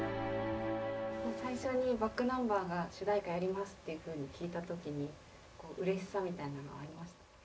最初にｂａｃｋｎｕｍｂｅｒが主題歌やりますっていうふうに聞いた時にうれしさみたいなのありましたか？